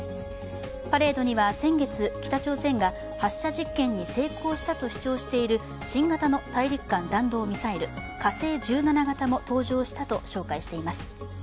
パレードには先月、北朝鮮が発射実験に成功したと主張している新型の大陸間弾道ミサイル、火星１７型も登場したと紹介しています。